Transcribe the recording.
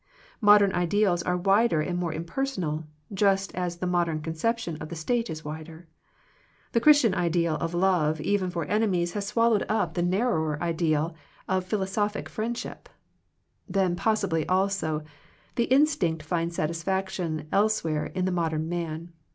Modern ideals are wider and more impersonal, just as the modern conception of the state is wider. The Christian ideal of love even for enemies has swallowed up 16 Digitized by VjOOQIC THE MIRACLE OF FRIENDSHIP the narrower ideal of philosophic friend ship. Then possibly also the instinct finds satisfaction elsewhere in the mod* em man.